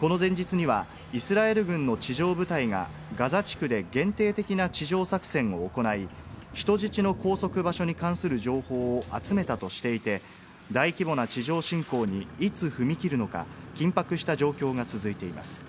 この前日にはイスラエル軍の地上部隊がガザ地区で限定的な地上作戦を行い、人質の拘束場所に関する情報を集めたとしていて、大規模な地上侵攻にいつ踏み切るのか緊迫した状況が続いています。